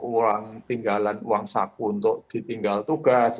uang tinggalan uang saku untuk ditinggal tugas